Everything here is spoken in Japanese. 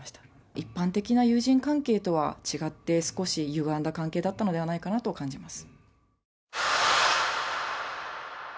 一般的な友人関係とは違って、少しゆがんだ関係だったのではないかなと感じます。